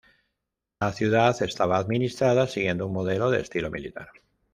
La ciudad estaba administrada siguiendo un modelo de estilo militar.